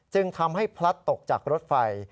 จึงทำให้พลัดตกจากรถไฟ